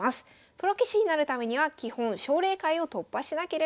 プロ棋士になるためには基本奨励会を突破しなければなりません。